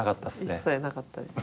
一切なかったです。